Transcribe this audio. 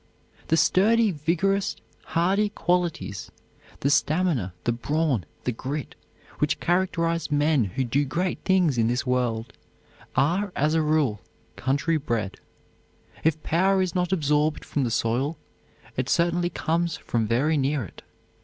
The sturdy, vigorous, hardy qualities, the stamina, the brawn, the grit which characterize men who do great things in this world, are, as a rule, country bred. If power is not absorbed from the soil, it certainly comes from very near it.